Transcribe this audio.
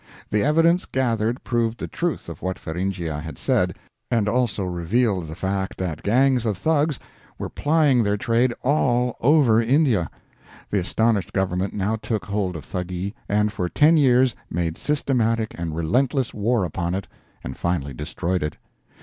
The evidence gathered proved the truth of what Feringhea had said, and also revealed the fact that gangs of Thugs were plying their trade all over India. The astonished government now took hold of Thuggee, and for ten years made systematic and relentless war upon it, and finally destroyed it.